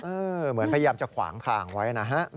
เหมือนพยายามจะขวางทางไว้นะฮะ